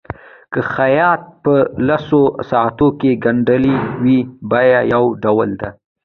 که خیاط په لسو ساعتونو کې ګنډلي وي بیه یو ډول ده.